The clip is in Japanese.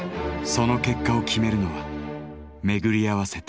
その結果を決めるのは巡り合わせた「運」なのか。